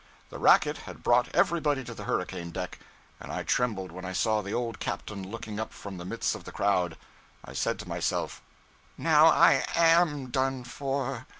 The racket had brought everybody to the hurricane deck, and I trembled when I saw the old captain looking up from the midst of the crowd. I said to myself, 'Now I am done for!'